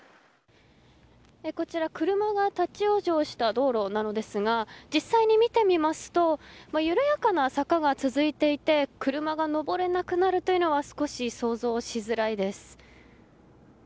こちら、車が立ち往生した道路なのですが実際に見てみますと緩やかな坂が続いていて車が登れなくなるというのは少し想像しづらいです。